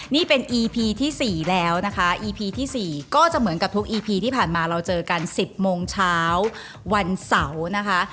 นี่เป็นอีพีที่๔แล้วนะคะอีพีที่๔ก็จะเหมือนกับทุกอีพีที่ผ่านมาเราเจอกัน๑๐โมงเช้าวันเสาร์นะคะ